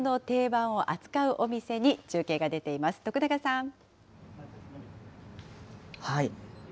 きょうは、贈り物の定番を扱うお店に中継が出ています。